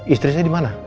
istrinya di mana